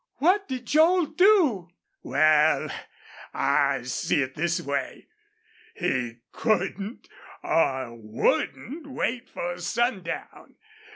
"What did Joel do?" "Wal, I see it this way. He couldn't or wouldn't wait for sundown.